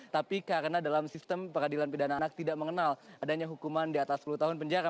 tapi karena dalam sistem peradilan pidana anak tidak mengenal adanya hukuman di atas sepuluh tahun penjara